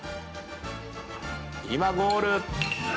今ゴール！